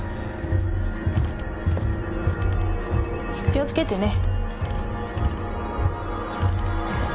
気をつけてね。